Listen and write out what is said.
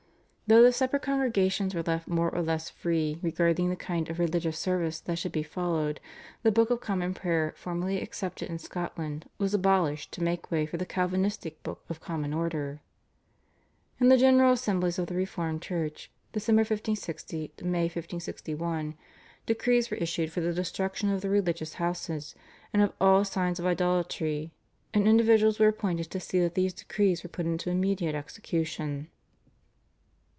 Though the separate congregations were left more or less free regarding the kind of religious service that should be followed, the Book of Common Prayer formerly accepted in Scotland was abolished to make way for the Calvinistic Book of Common Order. In the general assemblies of the reformed Church (December 1560 May 1561) decrees were issued for the destruction of the religious houses and of all signs of idolatry, and individuals were appointed to see that these decrees were put into immediate execution.